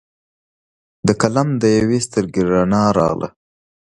د قلم د یوي سترګې رڼا راغله